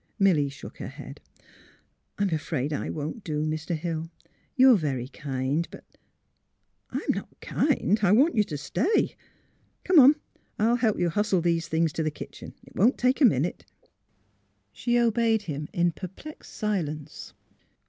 Milly shook her head. ''I'm afraid I won't do, Mr. Hill. You're very kind; but " ''I'm not kind. I want you to stay. Come, I'll help you hustle these things to the kitchen. It won't take a minute." She obeyed him in perplexed silence.